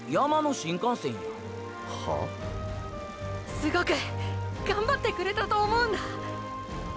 すごくがんばってくれたと思うんだ。